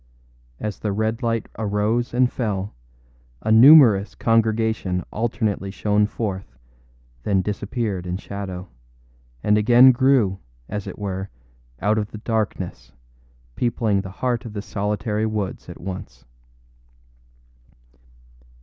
As the red light arose and fell, a numerous congregation alternately shone forth, then disappeared in shadow, and again grew, as it were, out of the darkness, peopling the heart of the solitary woods at once.